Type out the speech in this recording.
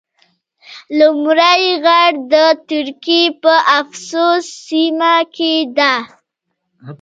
لومړی غار د ترکیې په افسوس سیمه کې ده.